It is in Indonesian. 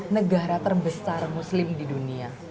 negara terbesar muslim di dunia